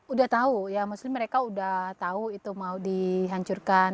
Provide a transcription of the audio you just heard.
udah tau ya mostly mereka udah tau itu mau dihancurkan